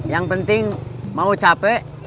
yang penting mau capek